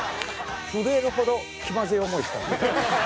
震えるほど気まずい思いしたんですよ。